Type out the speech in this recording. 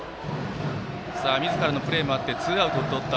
みずからもプレーもあってツーアウトをとった。